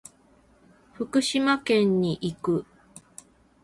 福島県に行く。